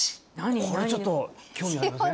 これちょっと興味ありません？